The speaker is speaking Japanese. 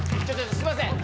すいません